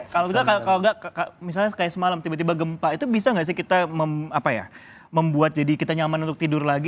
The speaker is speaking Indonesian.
kalau nggak misalnya kayak semalam tiba tiba gempa itu bisa nggak sih kita membuat jadi kita nyaman untuk tidur lagi